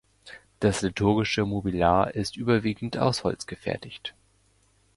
Das liturgische Mobiliar ist überwiegend aus Holz gefertigt.